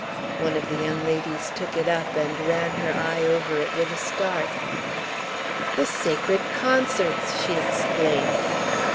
One of the young ladies took it up, and ran her eye over it, with a start. "The Sacred Concerts!" she exclaimed.